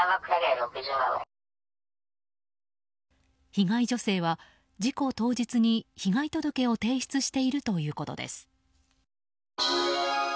被害女性は事故当日に被害届を提出しているということです。